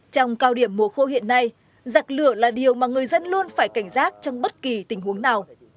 trong cao điểm mùa khô hiện nay giặc lửa là điều mà người dân luôn phải cảnh giác trong bất kỳ tình huống nào